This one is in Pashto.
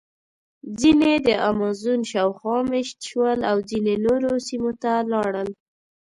ځینې د امازون شاوخوا مېشت شول او ځینې نورو سیمو ته لاړل.